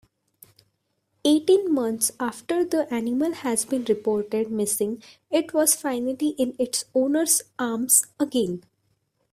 Eighteen months after the animal has been reported missing it was finally in its owner's arms again.